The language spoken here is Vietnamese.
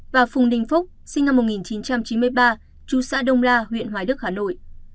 và phùng đinh phúc sinh năm một nghìn chín trăm chín mươi ba chú xã đông la huyện hoài đức hà nội